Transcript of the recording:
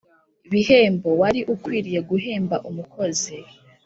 bihembo wari ukwiriye guhemba umukozi